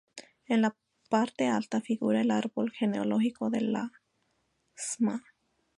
En la parte alta figura el árbol genealógico de la Stma.